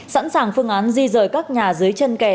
sẵn sàng phương án di rời các nhà dưới chân kè